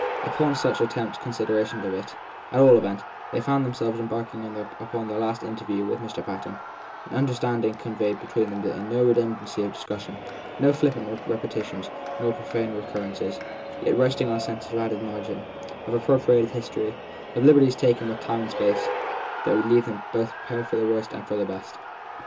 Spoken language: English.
Upon some such attempted consideration of it, at all events, they found themselves embarking after their last interview with Mr. Patten, an understanding conveyed between them in no redundancy of discussion, no flippant repetitions nor pro fane recurrences, yet resting on a sense of added margin, of appropriated history, of liberties taken with time and space, that would leave them prepared both for the worst and for the THE THIRD PEBSON 261 best.